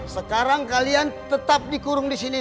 sekarang kalian tetap dikurung disini